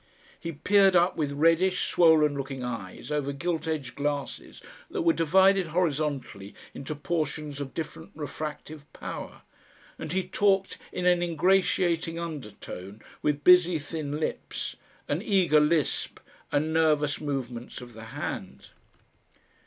He peered up with reddish swollen looking eyes over gilt edged glasses that were divided horizontally into portions of different refractive power, and he talking in an ingratiating undertone, with busy thin lips, an eager lisp and nervous movements of the hand.